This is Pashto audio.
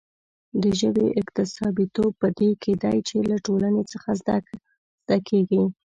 د ژبې اکتسابيتوب په دې کې دی چې له ټولنې څخه زده کېږي.